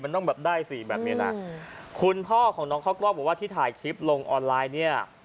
มันต้องแบบได้สิแบบนี้นะคุณพ่อของน้องข้าวกล้องบอกว่าที่ถ่ายคลิปลงออนไลน์เนี่ย